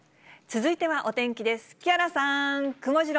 続いてはお天気です。